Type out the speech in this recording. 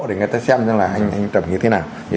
để người ta xem rằng là anh trồng như thế nào